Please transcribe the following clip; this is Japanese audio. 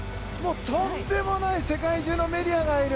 とんでもない世界中のメディアがいる。